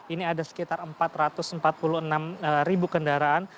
ini ada sekitar empat ratus empat puluh enam ribu kendaraan